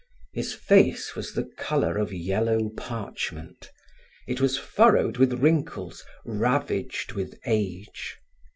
His face was the color of yellow parchment; it was furrowed with wrinkles, ravaged with age.